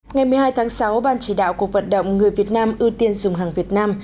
ngày một mươi hai tháng sáu ban chỉ đạo cuộc vận động người việt nam ưu tiên dùng hàng việt nam